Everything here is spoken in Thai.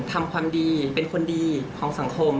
ทำความดีเป็นคนดีของสังคม